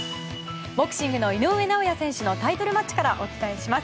ボクシングの井上尚弥選手のタイトルマッチからお伝えします。